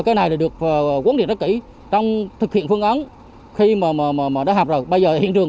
cái này được quấn định rất kỹ trong thực hiện phương án khi mà đã hạp rồi bây giờ hiện trường